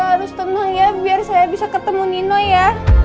harus tenang ya biar saya bisa ketemu nino ya